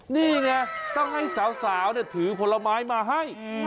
นี่ไงต้องให้สาวถือผลไม้มาให้